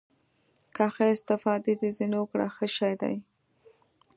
که ښه استفاده دې ځنې وکړه ښه شى ديه.